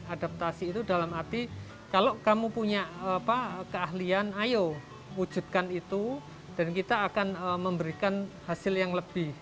adaptasi itu dalam arti kalau kamu punya keahlian ayo wujudkan itu dan kita akan memberikan hasil yang lebih